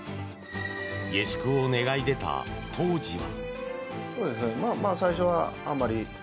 下宿を願い出た当時は。